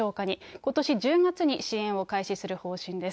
ことし１０月に支援を開始する方針です。